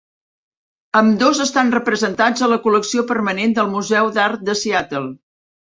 Ambdós estan representats a la col·lecció permanent del Museu d'Art de Seattle.